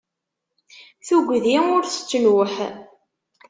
Tuggdi ur tettnuḥ.